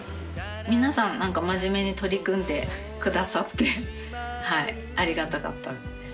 皆さん真面目に取り組んでくださってありがたかったですね。